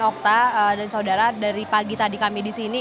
okta dan saudara dari pagi tadi kami di sini